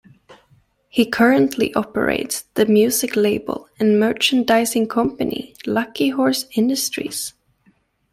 He currently operates the music label and merchandising company Luckyhorse Industries.